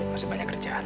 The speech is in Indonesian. masih banyak kerjaan